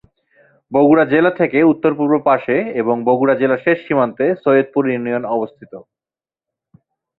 বগুড়া জেলা থেকে উত্তর-পূর্ব পাশে এবং বগুড়া জেলার শেষ সীমান্তে সৈয়দপুর ইউনিয়ন অবস্থিত।